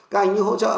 các anh như hỗ trợ